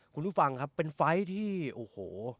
คุณผู้ฟังครับเป็นไฟล์ที่โอ้โห